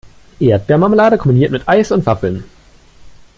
Erdbeermarmelade kombiniert mit Eis und Waffeln.